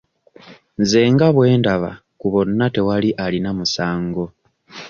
Nze nga bwe ndaba ku bonna tewali alina musango.